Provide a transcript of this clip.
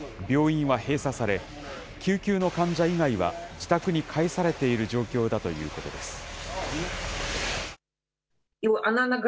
病院は閉鎖され、救急の患者以外は自宅に帰されている状況だということです。